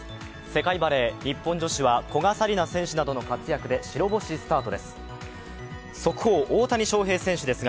世界バレー、日本女子は古賀紗理那選手などの活躍で白星スタートです。